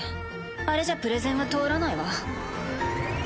あれじゃプレゼンは通らないわ。